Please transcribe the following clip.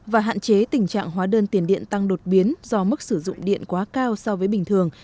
và hạn chế tình trạng hóa đơn tiền điện tăng đột biến do mức sử dụng điện quá cao so với bình thường